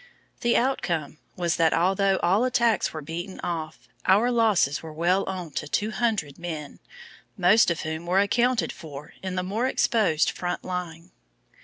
The outcome was that although all attacks were beaten off, our losses were well on to two hundred men, most of whom were accounted for in the more exposed front line.